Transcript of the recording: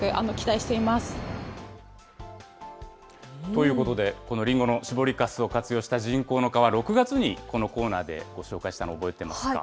ということで、このりんごの搾りかすを活用した人工の革、６月にこのコーナーでご紹介したの覚えてますか。